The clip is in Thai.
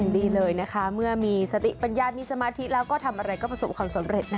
ดีเลยนะคะเมื่อมีสติปัญญามีสมาธิแล้วก็ทำอะไรก็ประสบความสำเร็จนะคะ